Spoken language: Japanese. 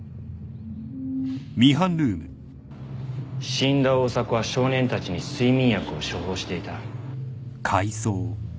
死んだ大迫は少年たちに睡眠薬を処方していた。